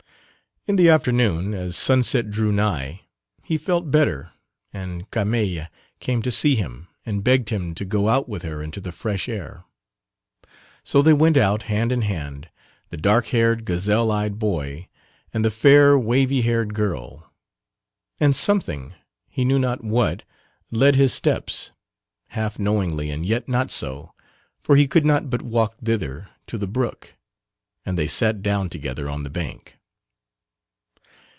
In the afternoon as sunset drew nigh he felt better and Carmeille came to see him and begged him to go out with her into the fresh air. So they went out hand in hand, the dark haired, gazelle eyed boy, and the fair wavy haired girl, and something, he knew not what, led his steps (half knowingly and yet not so, for he could not but walk thither) to the brook, and they sat down together on the bank.